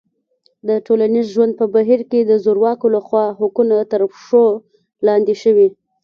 د ټولنیز ژوند په بهیر کې د زورواکو لخوا حقونه تر پښو لاندې شوي.